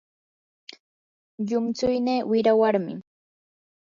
llumtsuynii wira warmim.